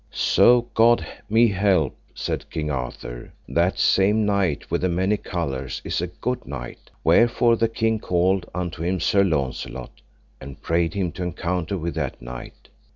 So God me help, said King Arthur, that same knight with the many colours is a good knight. Wherefore the king called unto him Sir Launcelot, and prayed him to encounter with that knight.